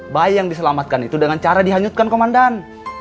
bayi yang diselamatkan itu dengan cara dihanyutkan komandan